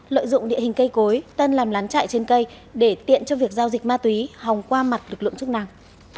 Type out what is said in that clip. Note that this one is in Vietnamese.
lợi dụng địa hình cây cối tân làm lán chạy trên cây để tiện cho việc giao dịch ma túy hòng qua mặt lực lượng chức năng